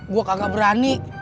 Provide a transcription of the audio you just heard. gue kagak berani